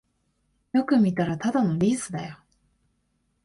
よく見たらただのリースだよ